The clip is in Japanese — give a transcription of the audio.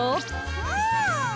うん！